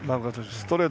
ストレート